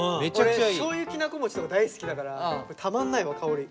俺しょうゆきなこもちとか大好きだからたまんないわ香り。